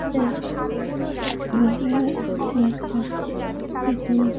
এভাবে আমলাদের আপত্তির কারণে ভূমি বিরোধ নিষ্পত্তি আইনের সংশোধনীর কাজটি বিলম্বিত হচ্ছে।